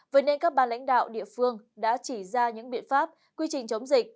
vậy nên các bà lãnh đạo địa phương đã chỉ ra những biện pháp quy trình chống dịch